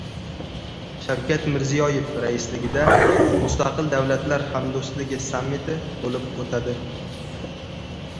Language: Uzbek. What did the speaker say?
Shavkat Mirziyoyev raisligida Mustaqil davlatlar hamdo'stligi sammiti bo‘lib o‘tadi